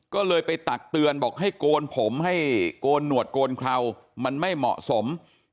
ก็เลยไปตักเตือนบอกให้โกนผมให้โกนหนวดโกนเครามันไม่เหมาะสม